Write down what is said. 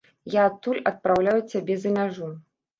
Я адтуль адпраўлю цябе за мяжу.